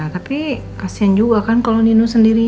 tapi kasian juga kan kalau nino sendiri